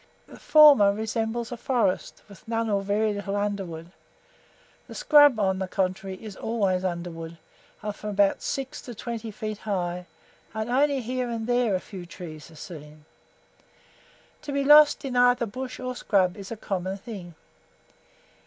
The former resembles a forest, with none or very little underwood. The scrub, on the contrary, is always underwood, of from six to twenty feet high, and only here and there a few trees are seen. To be lost in either bush or scrub is a common thing.